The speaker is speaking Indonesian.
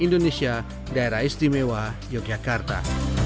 di daerah istimewa yogyakarta